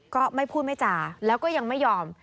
ก็ไม่พูดไม่จาแล้วก็ยังไม่ยอม